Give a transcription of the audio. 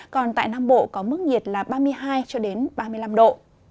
còn tại nam bộ có mức nhiệt là ba mươi hai cho đến ba mươi năm độ